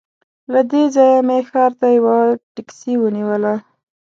له دې ځایه مې ښار ته یوه ټکسي ونیوله.